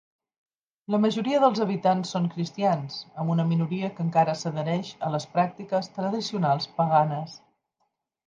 La majoria dels habitants són cristians, amb una minoria que encara s'adhereix a les pràctiques tradicionals paganes.